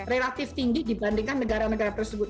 relatif tinggi dibandingkan negara negara tersebut